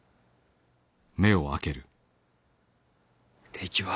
敵は。